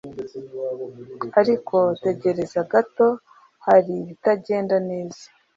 ariko tegereza gato, hari ibitagenda neza